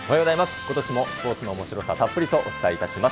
ことしもスポーツのおもしろさ、たっぷりとお伝えいたします。